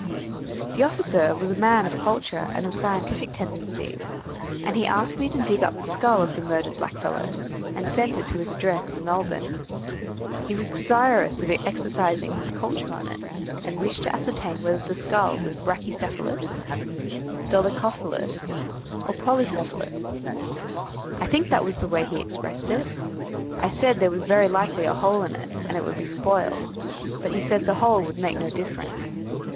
The officer was a man of culture and of scientific tendencies, and he asked me to dig up the skull of the murdered blackfellow, and sent it to his address in Melbourne. He was desirous of exercising his culture on it, and wished to ascertain whether the skull was bracchy cephalous, dolichophalous, or polycephalous. I think that was the way he expressed it. I said there was very likely a hole in it, and it would be spoiled; but he said the hole would make no difference.